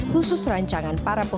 khusus rancangan para pembeli